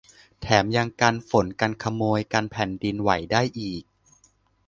แถมยังกันฝนกันขโมยกันแผ่นดินไหวได้อีก